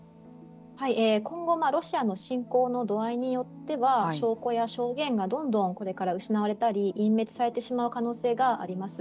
今後ロシアの侵攻の度合いによっては証拠や証言がどんどん、これから失われたり隠滅されてしまう可能性があります。